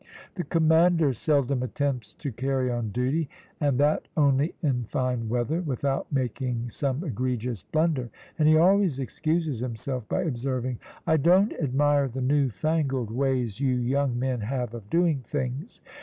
The commander seldom attempts to carry on duty, and that only in fine weather, without making some egregious blunder, and he always excuses himself by observing, `I don't admire the new fangled ways you young men have of doing things.